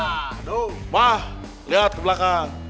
mah liat kebelakang